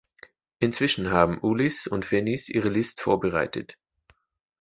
Inzwischen haben Ulisse und Fenice ihre List vorbereitet.